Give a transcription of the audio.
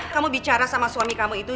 kamu bicara sama suami kamu itu